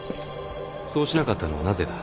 そうしなかったのはなぜだ。